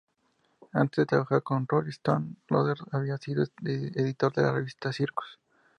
Antes de trabajar con "Rolling Stone", Loder había sido editor de la revista "Circus".